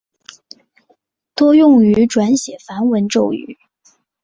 多用于转写梵文咒语。